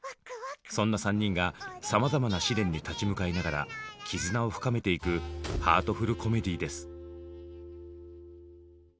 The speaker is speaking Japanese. そんな３人がさまざまな試練に立ち向かいながら絆を深めていくハートフルコメディーです。